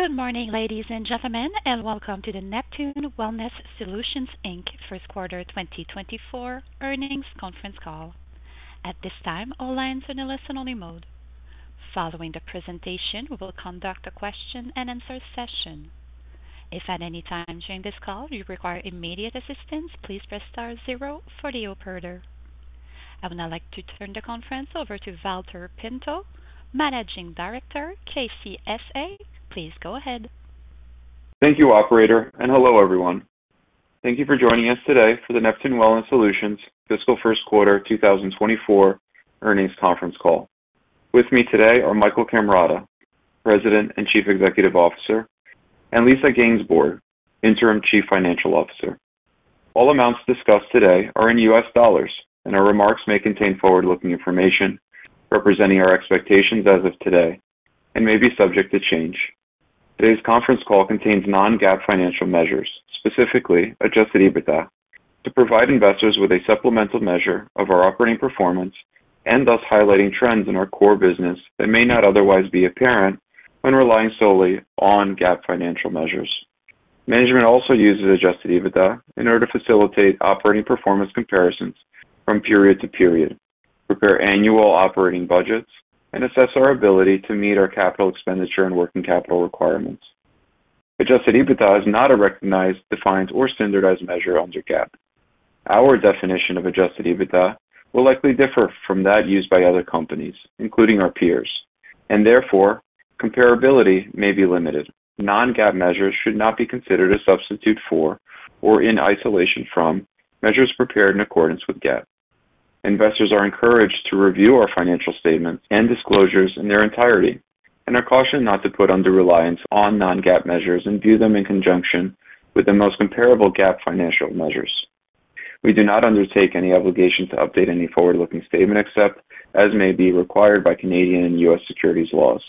Good morning, ladies and gentlemen, and welcome to the Neptune Wellness Solutions, Inc. First Quarter 2024 Earnings Conference Call. At this time, all lines are in a listen-only mode. Following the presentation, we will conduct a question-and-answer session. If at any time during this call you require immediate assistance, please press star zero for the operator. I would now like to turn the conference over to Valter Pinto, Managing Director, KCSA. Please go ahead. Thank you, operator, and hello, everyone. Thank you for joining us today for the Neptune Wellness Solutions Fiscal First Quarter 2024 earnings conference call. With me today are Michael Cammarata, President and Chief Executive Officer, and Lisa Gainsborg, Interim Chief Financial Officer. All amounts discussed today are in U.S. dollars. Our remarks may contain forward-looking information representing our expectations as of today and may be subject to change. Today's conference call contains non-GAAP financial measures, specifically Adjusted EBITDA, to provide investors with a supplemental measure of our operating performance and thus highlighting trends in our core business that may not otherwise be apparent when relying solely on GAAP financial measures. Management also uses Adjusted EBITDA in order to facilitate operating performance comparisons from period to period, prepare annual operating budgets and assess our ability to meet our capital expenditure and working capital requirements. Adjusted EBITDA is not a recognized, defined, or standardized measure under GAAP. Our definition of Adjusted EBITDA will likely differ from that used by other companies, including our peers, and therefore comparability may be limited. Non-GAAP measures should not be considered a substitute for or in isolation from measures prepared in accordance with GAAP. Investors are encouraged to review our financial statements and disclosures in their entirety and are cautioned not to put undue reliance on non-GAAP measures and view them in conjunction with the most comparable GAAP financial measures. We do not undertake any obligation to update any forward-looking statement, except as may be required by Canadian and U.S. securities laws.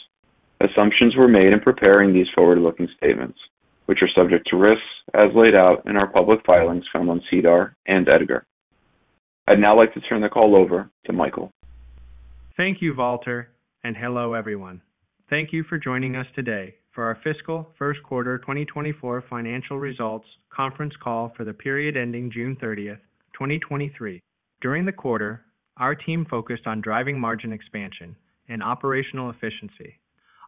Assumptions were made in preparing these forward-looking statements, which are subject to risks as laid out in our public filings found on SEDAR and EDGAR. I'd now like to turn the call over to Michael. Thank you, Valter, hello, everyone. Thank you for joining us today for our fiscal first quarter 2024 financial results conference call for the period ending June 30, 2023. During the quarter, our team focused on driving margin expansion and operational efficiency.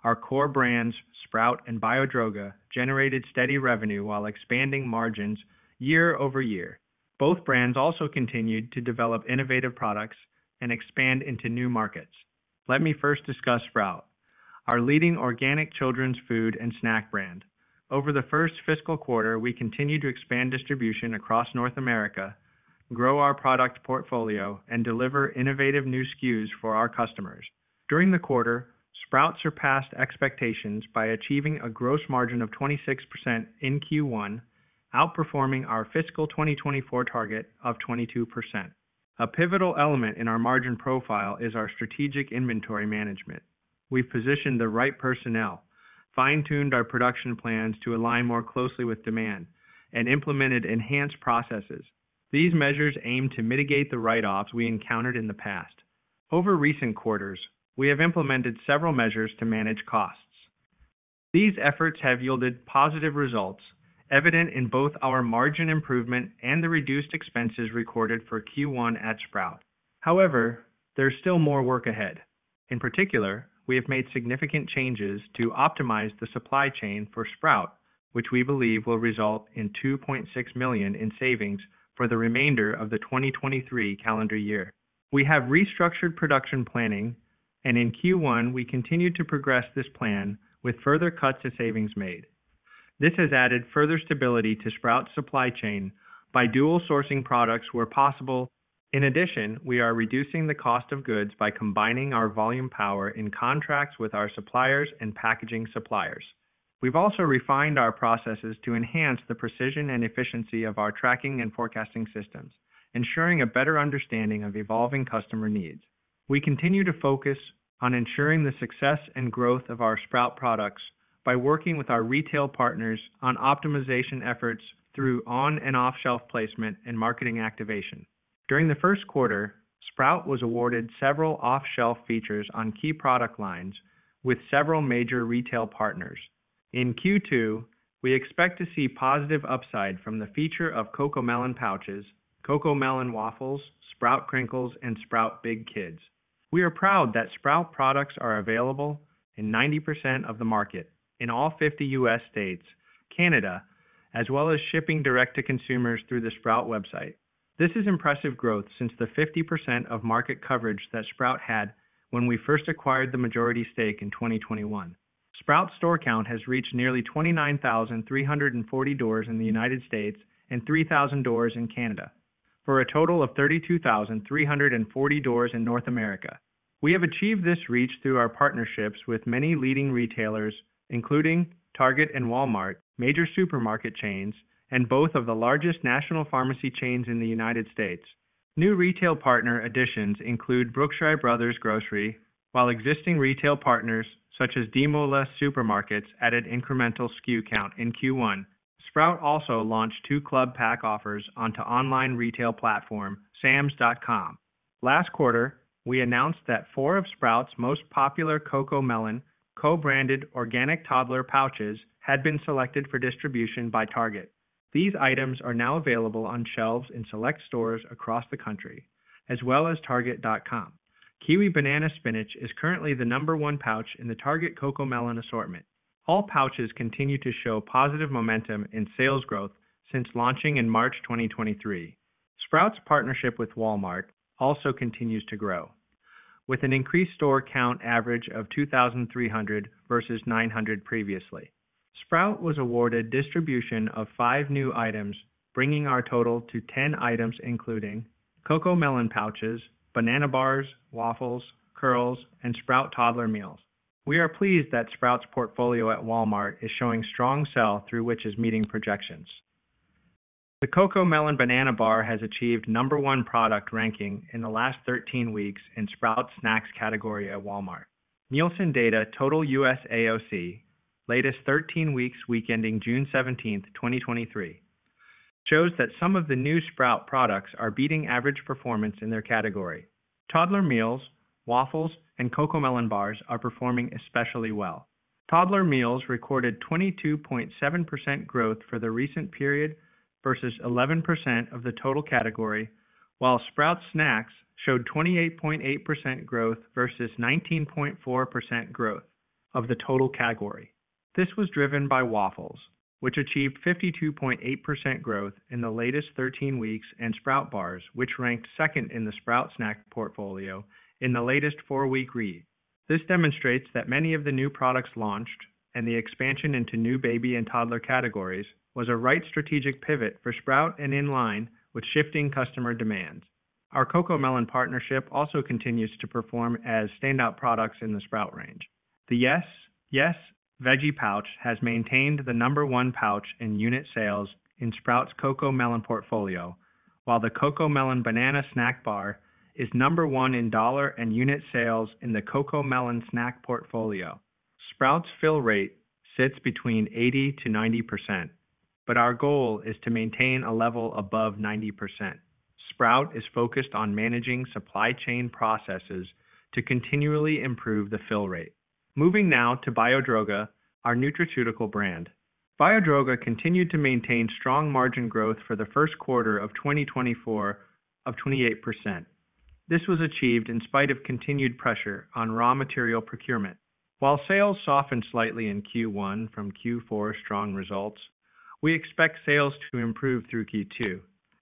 Our core brands, Sprout and Biodroga, generated steady revenue while expanding margins year-over-year. Both brands also continued to develop innovative products and expand into new markets. Let me first discuss Sprout, our leading organic children's food and snack brand. Over the first fiscal quarter, we continued to expand distribution across North America, grow our product portfolio, and deliver innovative new SKUs for our customers. During the quarter, Sprout surpassed expectations by achieving a gross margin of 26% in Q1, outperforming our fiscal 2024 target of 22%. A pivotal element in our margin profile is our strategic inventory management. We've positioned the right personnel, fine-tuned our production plans to align more closely with demand, and implemented enhanced processes. These measures aim to mitigate the write-offs we encountered in the past. Over recent quarters, we have implemented several measures to manage costs. These efforts have yielded positive results, evident in both our margin improvement and the reduced expenses recorded for Q1 at Sprout. However, there's still more work ahead. In particular, we have made significant changes to optimize the supply chain for Sprout, which we believe will result in $2.6 million in savings for the remainder of the 2023 calendar year. We have restructured production planning, and in Q1, we continued to progress this plan with further cuts to savings made. This has added further stability to Sprout's supply chain by dual-sourcing products where possible. In addition, we are reducing the cost of goods by combining our volume power in contracts with our suppliers and packaging suppliers. We've also refined our processes to enhance the precision and efficiency of our tracking and forecasting systems, ensuring a better understanding of evolving customer needs. We continue to focus on ensuring the success and growth of our Sprout products by working with our retail partners on optimization efforts through on-and off-shelf placement and marketing activation. During the first quarter, Sprout was awarded several off-shelf features on key product lines with several major retail partners. In Q2, we expect to see positive upside from the feature of CoComelon pouches, CoComelon waffles, Sprout Crinkles, and Sprout Big Kids. We are proud that Sprout products are available in 90% of the market in all 50 U.S. states, Canada, as well as shipping direct to consumers through the Sprout website. This is impressive growth since the 50% of market coverage that Sprout had when we first acquired the majority stake in 2021. Sprout's store count has reached nearly 29,340 doors in the United States and 3,000 doors in Canada, for a total of 32,340 doors in North America. We have achieved this reach through our partnerships with many leading retailers, including Target and Walmart, major supermarket chains, and both of the largest national pharmacy chains in the United States. New retail partner additions include Brookshire Brothers Grocery, while existing retail partners such as Demoulas Supermarkets, added incremental SKU count in Q1. Sprout also launched two club pack offers onto online retail platform, sams.com. Last quarter, we announced that four of Sprout's most popular CoComelon co-branded organic toddler pouches had been selected for distribution by Target. These items are now available on shelves in select stores across the country, as well as Target.com. Kiwi Banana Spinach is currently the number one pouch in the Target CoComelon assortment. All pouches continue to show positive momentum in sales growth since launching in March 2023. Sprout's partnership with Walmart also continues to grow, with an increased store count average of 2,300 versus 900 previously. Sprout was awarded distribution of 5 new items, bringing our total to 10 items, including CoComelon pouches, Banana Bars, Waffles, Curls, and Sprout toddler meals. We are pleased that Sprout's portfolio at Walmart is showing strong sell, through which is meeting projections. The CoComelon Banana Bar has achieved number one product ranking in the last 13 weeks in Sprout Snacks category at Walmart. Nielsen data, total U.S. AOC, latest 13 weeks, week ending June 17th, 2023, shows that some of the new Sprout products are beating average performance in their category. Toddler meals, waffles, and CoComelon bars are performing especially well. Toddler meals recorded 22.7% growth for the recent period versus 11% of the total category, while Sprout Snacks showed 28.8% growth versus 19.4% growth of the total category. This was driven by waffles, which achieved 52.8% growth in the latest 13 weeks, and Sprout bars, which ranked second in the Sprout Snack portfolio in the latest 4-week read. This demonstrates that many of the new products launched and the expansion into new baby and toddler categories was a right strategic pivot for Sprout and in line with shifting customer demands. Our CoComelon partnership also continues to perform as standout products in the Sprout range. The Yes! Yes! Veggie pouch has maintained the number one pouch in unit sales in Sprout's CoComelon portfolio, while the CoComelon Banana Snack Bar is number one in dollar and unit sales in the CoComelon snack portfolio. Sprout's fill rate sits between 80%-90%, but our goal is to maintain a level above 90%. Sprout is focused on managing supply chain processes to continually improve the fill rate. Moving now to Biodroga, our nutraceutical brand. Biodroga continued to maintain strong margin growth for the first quarter of 2024 of 28%. This was achieved in spite of continued pressure on raw material procurement. While sales softened slightly in Q1 from Q4 strong results, we expect sales to improve through Q2.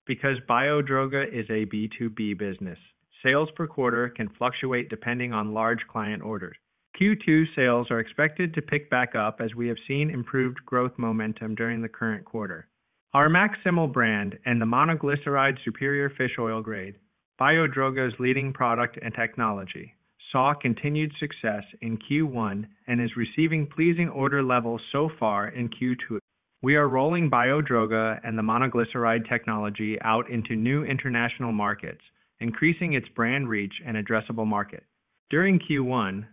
Because Biodroga is a B2B business, sales per quarter can fluctuate depending on large client orders. Q2 sales are expected to pick back up as we have seen improved growth momentum during the current quarter. Our MaxSimil brand and the monoglyceride superior fish oil grade, Biodroga's leading product and technology, saw continued success in Q1 and is receiving pleasing order levels so far in Q2. We are rolling Biodroga and the monoglyceride technology out into new international markets, increasing its brand reach and addressable market. During Q1,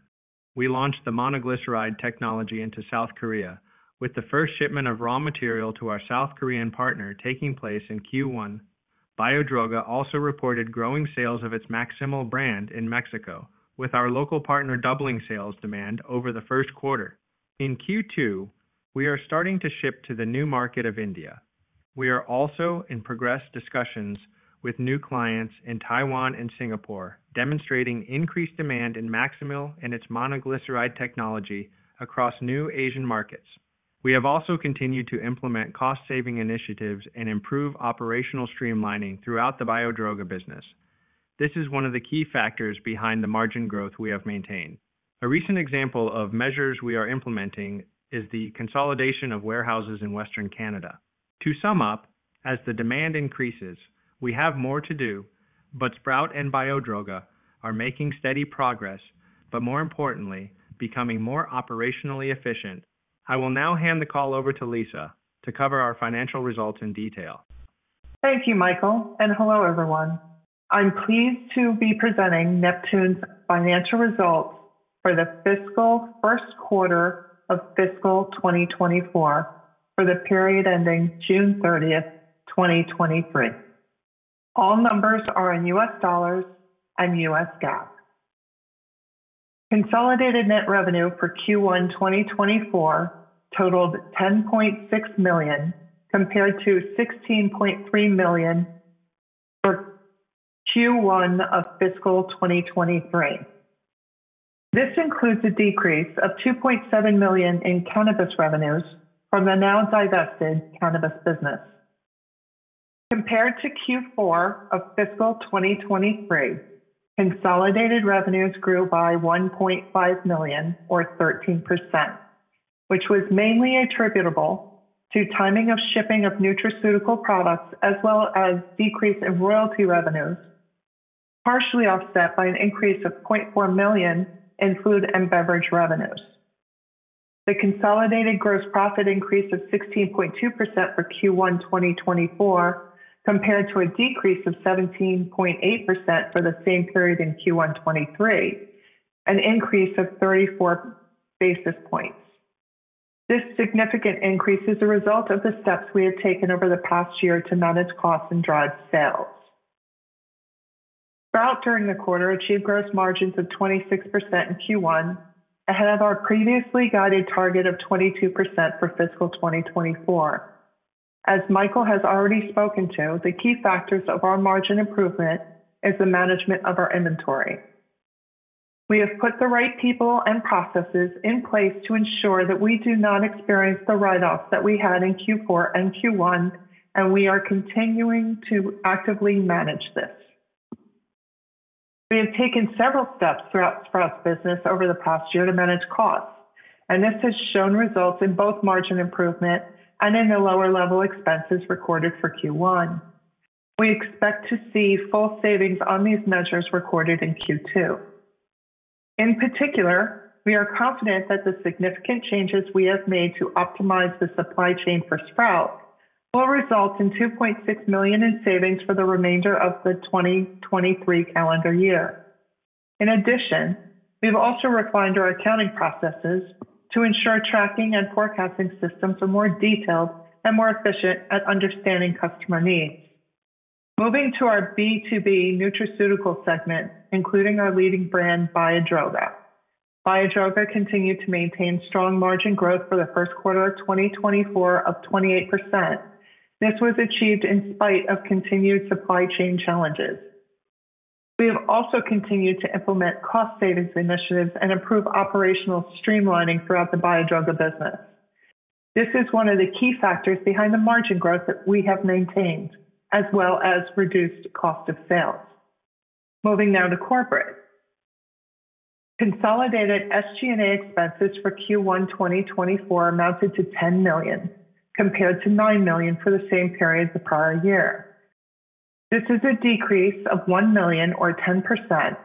we launched the monoglyceride technology into South Korea, with the first shipment of raw material to our South Korean partner taking place in Q1. Biodroga also reported growing sales of its MaxSimil brand in Mexico, with our local partner doubling sales demand over the first quarter. In Q2, we are starting to ship to the new market of India. We are also in progress discussions with new clients in Taiwan and Singapore, demonstrating increased demand in MaxSimil and its monoglyceride technology across new Asian markets. We have also continued to implement cost-saving initiatives and improve operational streamlining throughout the Biodroga business. This is one of the key factors behind the margin growth we have maintained. A recent example of measures we are implementing is the consolidation of warehouses in Western Canada. To sum up, as the demand increases, we have more to do, but Sprout and Biodroga are making steady progress, but more importantly, becoming more operationally efficient. I will now hand the call over to Lisa to cover our financial results in detail. Thank you, Michael, and hello, everyone. I'm pleased to be presenting Neptune's financial results for the fiscal first quarter of fiscal 2024, for the period ending June 30th, 2023. All numbers are in U.S. dollars and U.S. GAAP. Consolidated net revenue for Q1 2024 totaled $10.6 million, compared to $16.3 million for Q1 of fiscal 2023. This includes a decrease of $2.7 million in cannabis revenues from the now divested cannabis business. Compared to Q4 of fiscal 2023, consolidated revenues grew by $1.5 million or 13%, which was mainly attributable to timing of shipping of nutraceutical products, as well as decrease in royalty revenues, partially offset by an increase of $0.4 million in food and beverage revenues. The consolidated gross profit increased of 16.2% for Q1 2024, compared to a decrease of 17.8% for the same period in Q1 2023, an increase of 34 basis points. This significant increase is a result of the steps we have taken over the past year to manage costs and drive sales. Sprout, during the quarter, achieved gross margins of 26% in Q1, ahead of our previously guided target of 22% for fiscal 2024. As Michael has already spoken to, the key factors of our margin improvement is the management of our inventory. We have put the right people and processes in place to ensure that we do not experience the write-offs that we had in Q4 and Q1, and we are continuing to actively manage this. We have taken several steps throughout Sprout's business over the past year to manage costs, and this has shown results in both margin improvement and in the lower level expenses recorded for Q1. We expect to see full savings on these measures recorded in Q2. In particular, we are confident that the significant changes we have made to optimize the supply chain for Sprout will result in $2.6 million in savings for the remainder of the 2023 calendar year. In addition, we've also refined our accounting processes to ensure tracking and forecasting systems are more detailed and more efficient at understanding customer needs. Moving to our B2B nutraceutical segment, including our leading brand, Biodroga. Biodroga continued to maintain strong margin growth for Q1 2024 of 28%. This was achieved in spite of continued supply chain challenges. We have also continued to implement cost savings initiatives and improve operational streamlining throughout the Biodroga business. This is one of the key factors behind the margin growth that we have maintained, as well as reduced cost of sales. Moving now to corporate. Consolidated SG&A expenses for Q1 2024 amounted to $10 million, compared to $9 million for the same period the prior year. This is a decrease of $1 million or 10%,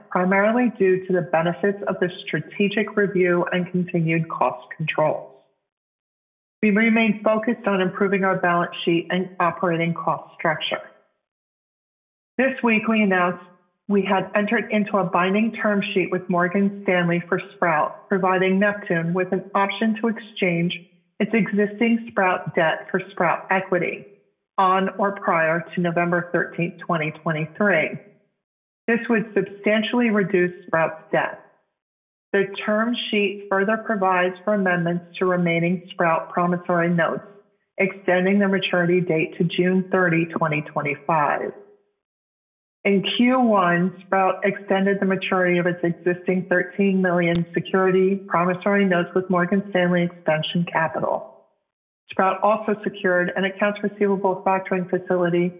primarily due to the benefits of the strategic review and continued cost controls. We remain focused on improving our balance sheet and operating cost structure. This week, we announced we had entered into a binding term sheet with Morgan Stanley for Sprout, providing Neptune with an option to exchange its existing Sprout debt for Sprout equity on or prior to November 13, 2023. This would substantially reduce Sprout's debt. The term sheet further provides for amendments to remaining Sprout promissory notes, extending the maturity date to June 30, 2025. In Q1, Sprout extended the maturity of its existing $13 million secured promissory notes with Morgan Stanley Expansion Capital. Sprout also secured an accounts receivable factoring facility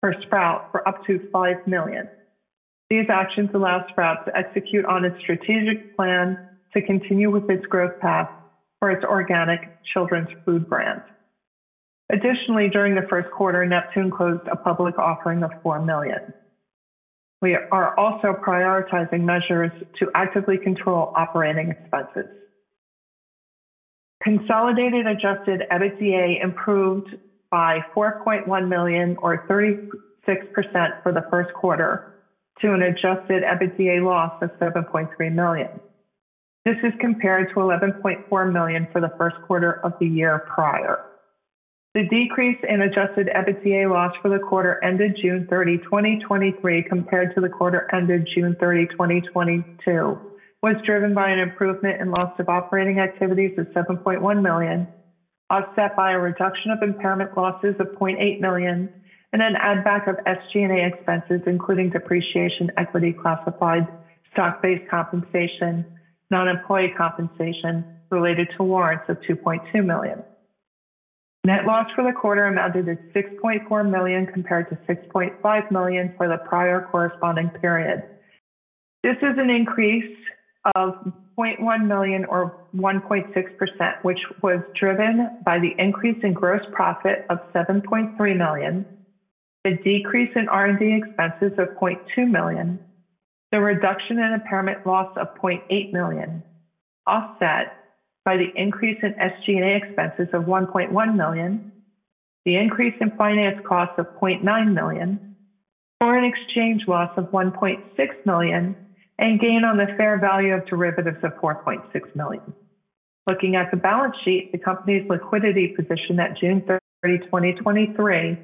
for Sprout for up to $5 million. These actions allow Sprout to execute on its strategic plan to continue with its growth path for its organic children's food brand. During the first quarter, Neptune closed a public offering of $4 million. We are also prioritizing measures to actively control operating expenses. Consolidated Adjusted EBITDA improved by $4.1 million or 36% for the first quarter to an Adjusted EBITDA loss of $7.3 million. This is compared to $11.4 million for the first quarter of the year prior. The decrease in adjusted EBITDA loss for the quarter ended June 30, 2023, compared to the quarter ended June 30, 2022, was driven by an improvement in loss of operating activities of $7.1 million, offset by a reduction of impairment losses of $0.8 million, and an add back of SG&A expenses, including depreciation, equity-classified, stock-based compensation, non-employee compensation related to warrants of $2.2 million. Net loss for the quarter amounted to $6.4 million, compared to $6.5 million for the prior corresponding period. This is an increase of $0.1 million or 1.6%, which was driven by the increase in gross profit of $7.3 million, the decrease in R&D expenses of $0.2 million, the reduction in impairment loss of $0.8 million, offset by the increase in SG&A expenses of $1.1 million, the increase in finance costs of $0.9 million, foreign exchange loss of $1.6 million, and gain on the fair value of derivatives of $4.6 million. Looking at the balance sheet, the company's liquidity position at June 30, 2023,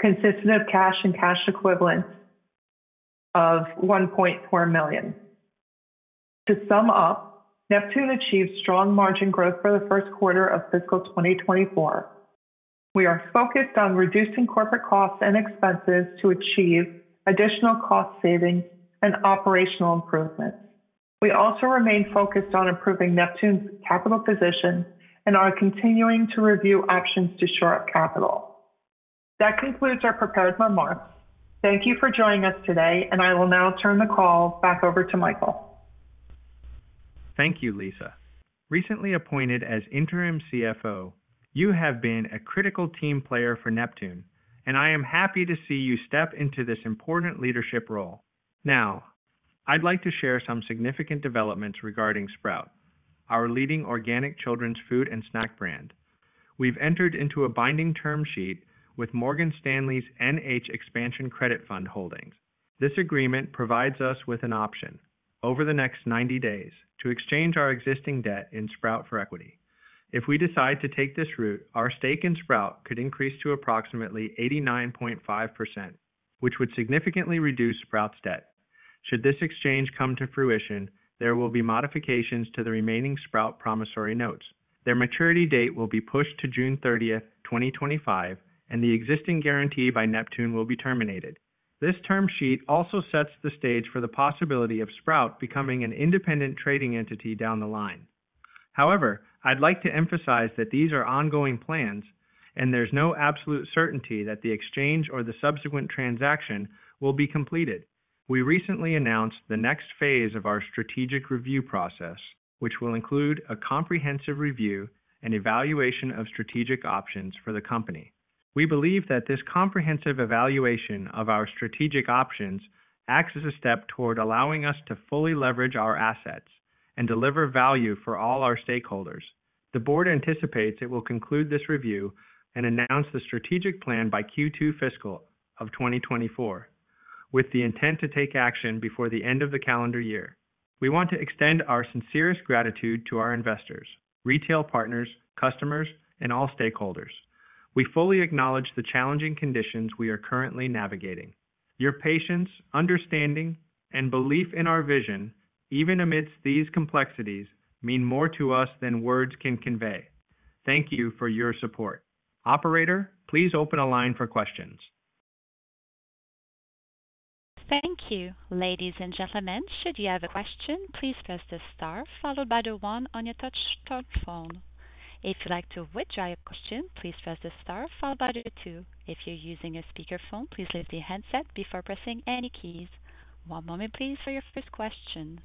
consisted of cash and cash equivalents of $1.4 million. To sum up, Neptune achieved strong margin growth for the first quarter of fiscal 2024. We are focused on reducing corporate costs and expenses to achieve additional cost savings and operational improvements. We also remain focused on improving Neptune's capital position and are continuing to review options to shore up capital. That concludes our prepared remarks. Thank you for joining us today. I will now turn the call back over to Michael. Thank you, Lisa. Recently appointed as interim CFO, you have been a critical team player for Neptune, and I am happy to see you step into this important leadership role. Now, I'd like to share some significant developments regarding Sprout, our leading Organic Children's Food and snack brand. We've entered into a binding term sheet with Morgan Stanley's NH Expansion Credit Fund Holdings. This agreement provides us with an option over the next 90 days to exchange our existing debt in Sprout for equity. If we decide to take this route, our stake in Sprout could increase to approximately 89.5%, which would significantly reduce Sprout's debt. Should this exchange come to fruition, there will be modifications to the remaining Sprout promissory notes. Their maturity date will be pushed to June 30th, 2025, and the existing guarantee by Neptune will be terminated. This term sheet also sets the stage for the possibility of Sprout becoming an independent trading entity down the line. I'd like to emphasize that these are ongoing plans, and there's no absolute certainty that the exchange or the subsequent transaction will be completed. We recently announced the next phase of our strategic review process, which will include a comprehensive review and evaluation of strategic options for the company. We believe that this comprehensive evaluation of our strategic options acts as a step toward allowing us to fully leverage our assets and deliver value for all our stakeholders. The board anticipates it will conclude this review and announce the strategic plan by Q2 fiscal of 2024, with the intent to take action before the end of the calendar year. We want to extend our sincerest gratitude to our investors, retail partners, customers, and all stakeholders. We fully acknowledge the challenging conditions we are currently navigating. Your patience, understanding, and belief in our vision, even amidst these complexities, mean more to us than words can convey. Thank you for your support. Operator, please open a line for questions. Thank you. Ladies and gentlemen, should you have a question, please press the star followed by the one on your touchtone phone. If you'd like to withdraw your question, please press the star followed by the two. If you're using a speakerphone, please lift your handset before pressing any keys. One moment please for your first question.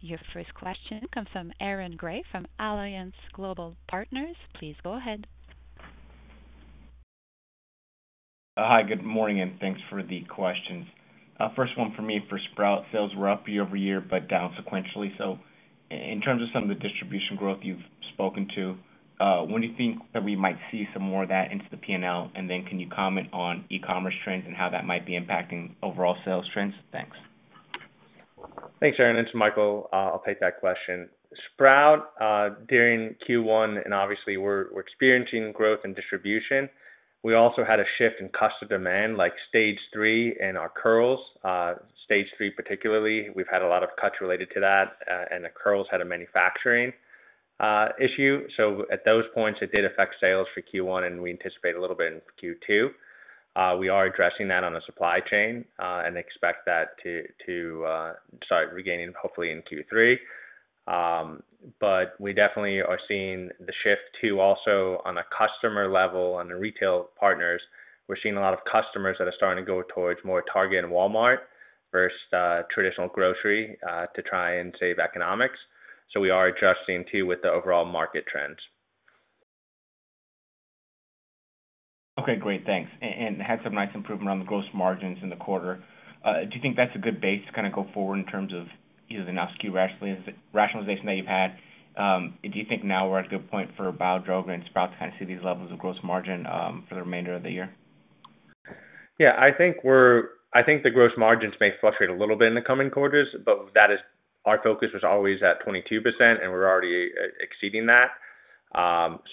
Your first question comes from Aaron Grey, from Alliance Global Partners. Please go ahead. Hi, good morning, and thanks for the questions. First one for me, for Sprout, sales were up year-over-year, but down sequentially. I-in terms of some of the distribution growth you've spoken to, when do you think that we might see some more of that into the P&L? Can you comment on e-commerce trends and how that might be impacting overall sales trends? Thanks. Thanks, Aaron. It's Michael. I'll take that question. Sprout, during Q1, and obviously, we're experiencing growth and distribution. We also had a shift in customer demand, like Stage 3 and our Curls. Stage 3, particularly, we've had a lot of cuts related to that, and the Curls had a manufacturing issue. At those points, it did affect sales for Q1, and we anticipate a little bit in Q2. We are addressing that on the supply chain, and expect that to, to start regaining, hopefully in Q3. We definitely are seeing the shift, too. Also, on a customer level, on the retail partners, we're seeing a lot of customers that are starting to go towards more Target and Walmart versus traditional grocery to try and save economics. We are adjusting, too, with the overall market trends. Okay, great. Thanks. Had some nice improvement on the gross margins in the quarter. Do you think that's a good base to kind of go forward in terms of either the now SKU rationalization that you've had? Do you think now we're at a good point for Biodroga and Sprout to kind of see these levels of gross margin for the remainder of the year? Yeah, I think we're I think the gross margins may fluctuate a little bit in the coming quarters, but that is. Our focus was always at 22%, and we're already exceeding that.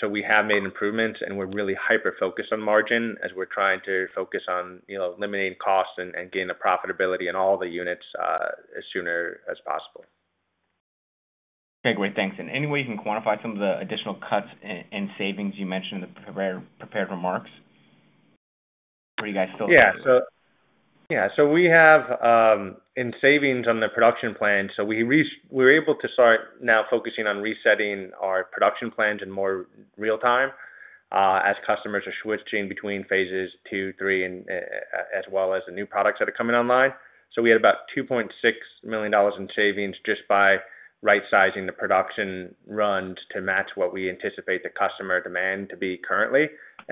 We have made improvements, and we're really hyper-focused on margin as we're trying to focus on, you know, eliminating costs and gaining the profitability in all the units, as sooner as possible. Okay, great. Thanks. And any way you can quantify some of the additional cuts and savings you mentioned in the prepared remarks, or are you guys still- Yeah. Yeah, so we have in savings on the production plan. We're able to start now focusing on resetting our production plans in more real time, as customers are switching between Phases II, III, as well as the new products that are coming online. We had about $2.6 million in savings just by right-sizing the production runs to match what we anticipate the customer demand to be currently.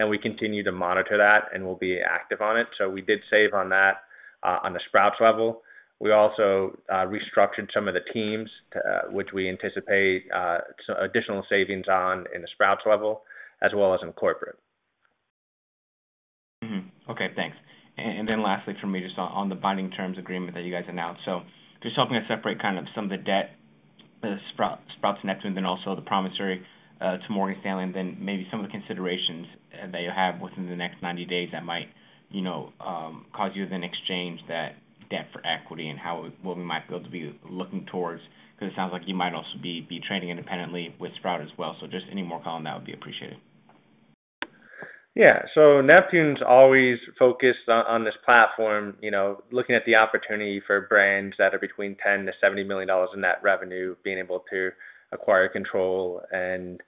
We continue to monitor that, and we'll be active on it. We did save on that, on the Sprout level. We also restructured some of the teams, which we anticipate some additional savings on in the Sprout level as well as in corporate. Okay, thanks. Then lastly, for me, just on the binding terms agreement that you guys announced. Just helping us separate kind of some of the debt, the Sprout, Sprout's Neptune and then also the promissory to Morgan Stanley, and then maybe some of the considerations that you have within the next 90 days that might, you know, cause you to then exchange that debt for equity and how, what we might be able to be looking towards, because it sounds like you might also be trading independently with Sprout as well. Just any more color on that would be appreciated. Yeah. Neptune's always focused on, on this platform, you know, looking at the opportunity for brands that are between $10 million-$70 million in net revenue, being able to acquire control and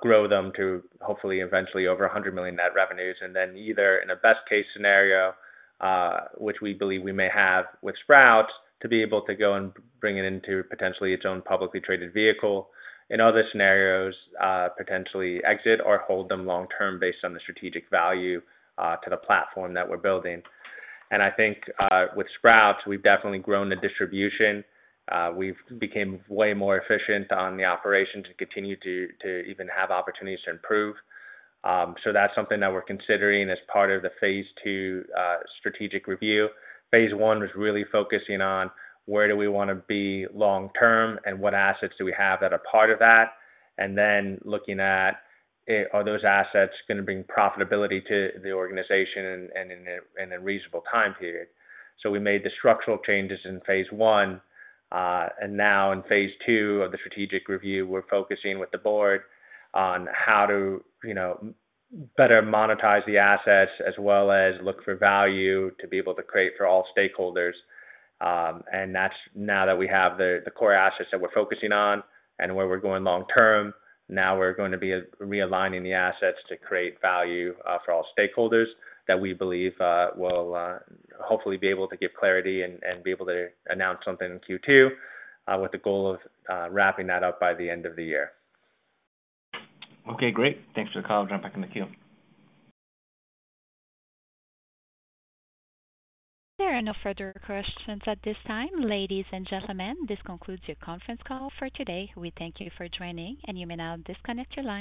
grow them to hopefully eventually over $100 million net revenues. Then either in a best case scenario, which we believe we may have with Sprout, to be able to go and bring it into potentially its own publicly traded vehicle. In other scenarios, potentially exit or hold them long term based on the strategic value to the platform that we're building. I think, with Sprout, we've definitely grown the distribution. We've became way more efficient on the operation to continue to, to even have opportunities to improve. So that's something that we're considering as part of the Phase II, strategic review. Phase I was really focusing on where do we want to be long term, and what assets do we have that are part of that? Then looking at, are those assets going to bring profitability to the organization and in a reasonable time period. We made the structural changes in Phase I. Now in Phase II of the strategic review, we're focusing with the board on how to, you know, better monetize the assets, as well as look for value to be able to create for all stakeholders. That's now that we have the core assets that we're focusing on and where we're going long term. Now we're going to be realigning the assets to create value for all stakeholders that we believe will hopefully be able to give clarity and, and be able to announce something in Q2 with the goal of wrapping that up by the end of the year. Okay, great. Thanks for the call. Jump back in the queue. There are no further questions at this time. Ladies and gentlemen, this concludes your conference call for today. We thank you for joining. You may now disconnect your line.